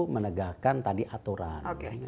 menegakkan tadi aturan